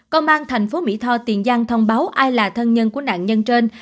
công an thành phố mỹ thò tiền gian thông báo ai là thân nhân của nạn nhân trên